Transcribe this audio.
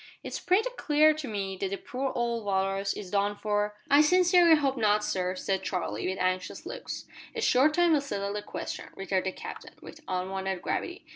"It's pretty clear to me that the poor old Walrus is done for " "I sincerely hope not sir," said Charlie, with anxious looks. "A short time will settle the question," returned the Captain, with unwonted gravity.